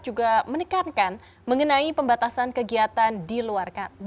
juga menekankan mengenai pembatasan kegiatan di luar